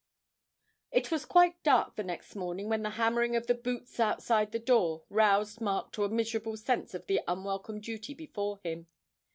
It was quite dark the next morning when the hammering of the 'boots' outside the door roused Mark to a miserable sense of the unwelcome duty before him.